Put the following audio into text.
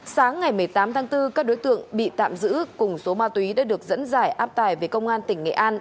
sáng ngày một mươi tám tháng bốn các đối tượng bị tạm giữ cùng số ma túy đã được dẫn giải áp tài về công an tỉnh nghệ an